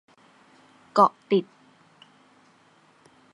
เกาะติด